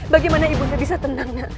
bagaimana ibunda bisa tenangnya